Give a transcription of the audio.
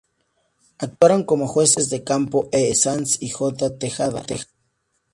Actuaron como jueces de campo E. Sanz y J. Tejada.